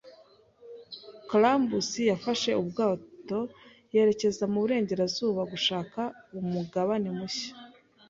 Columbus yafashe ubwato yerekeza mu burengerazuba gushaka umugabane mushya.